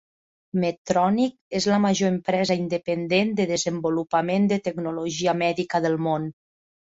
Medtronic és la major empresa independent de desenvolupament de tecnologia mèdica del món.